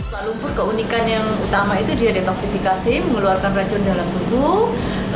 kuala lumpur keunikan yang utama itu dia detoksifikasi mengeluarkan racun dalam tubuh